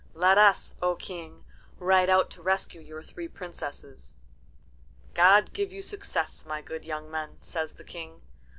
Let us, O King, ride out to rescue your three princesses." "God give you success, my good young men," says the King.